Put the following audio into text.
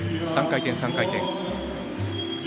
３回転、３回転。